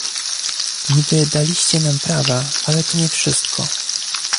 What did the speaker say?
"Niby daliście nam prawa, ale to nie wszystko."